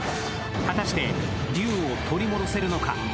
果たしてＤＵＮＥを取り戻せるのか？